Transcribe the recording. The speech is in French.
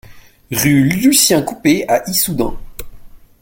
Rue Lucien Coupet à Issoudun